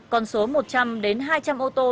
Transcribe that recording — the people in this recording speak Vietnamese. con số một trăm linh đến hai trăm linh ô tô